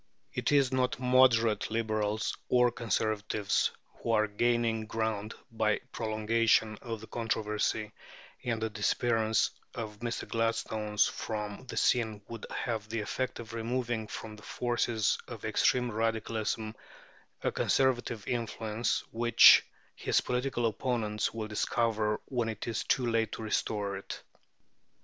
It is not the Moderate Liberals or Conservatives who are gaining ground by the prolongation of the controversy, and the disappearance of Mr. Gladstone from the scene would have the effect of removing from the forces of extreme Radicalism a conservative influence, which his political opponents will discover when it is too late to restore it.